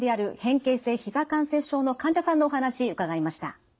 関節症の患者さんのお話伺いました。